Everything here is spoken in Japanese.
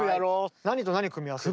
何と何組み合わせる？